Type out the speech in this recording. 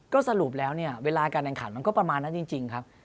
ก็สรุปแล้วเนี่ยเวลาการแข่งขันมันก็ประมาณนั้นจริงครับ